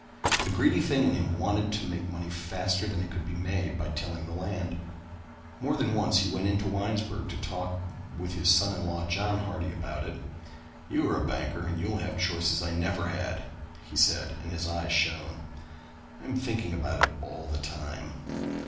The greedy thing in him wanted to make money faster than it could be made by tilling the land. More than once he went into Winesburg to talk with his son in law John Hardy about it. "You are a banker and you will have chances I never had," he said and his eyes shone. "I am thinking about it all the time.